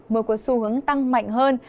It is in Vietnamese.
mưa có xu hướng tăng mạnh hơn